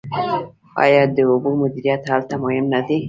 آیا د اوبو مدیریت هلته مهم نه دی؟